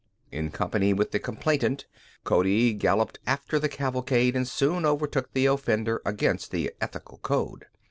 In company with the complainant Cody galloped after the cavalcade and soon overtook the offender against the ethical code.